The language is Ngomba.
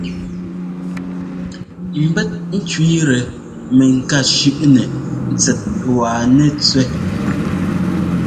Mbɛ́t ŋ́kẅíitɛ mɛŋká shʉ́ꞌnɛ tsɛt wa nɛtsẅɛ́.